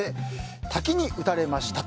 滝に打たれましたと。